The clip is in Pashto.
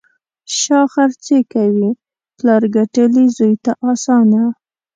شا خرڅي کوي: پلار ګټلي، زوی ته اسانه.